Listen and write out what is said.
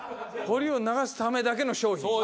保留音流すためだけの商品？